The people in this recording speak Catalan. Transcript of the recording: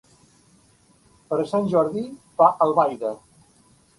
Per Sant Jordi va a Albaida.